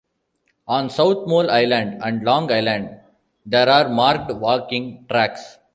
On South Molle Island and Long Island there are marked walking tracks.